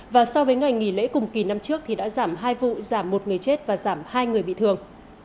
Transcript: và so với ngày nghỉ lễ cùng kỳ năm trước thì đã giảm hai vụ giảm một người chết và giảm hai người bị thương